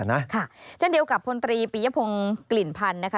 ค่ะฉันเดียวกับพลตรีปียพงศ์กลิ่นพันธุ์